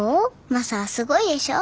マサはすごいでしょ？